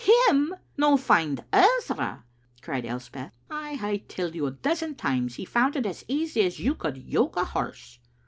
"Him no find Ezra!" cried Elspeth. "I hae telled you a dozen times he found it as easy as you could yoke a horse."